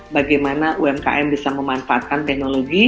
bagaimana umkm bisa memanfaatkan teknologi